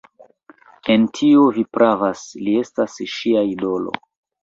En tio vi pravas; li estas ŝia idolo...